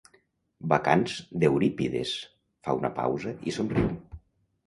Bacants d'Eurípides –fa una pausa i somriu–.